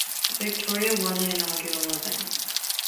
Victoria won the inaugural event.